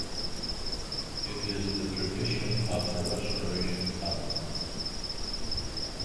It is the tradition of the Restoration Comedy.